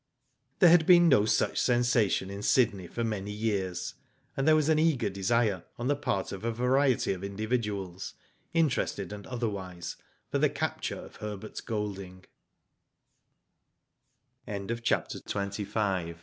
There had been no such sensation in Sydney for many years, and there was an eager desire on the part of a variety of individuals, in terested and otherwise, for the capture of Her